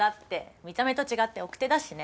見た目と違って奥手だしね。